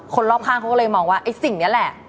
คนรอบข้างเขาก็เลยมองว่าไอ้สิ่งนี้แหละ